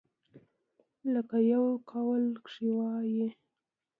لکه يو قول کښې وائي ۔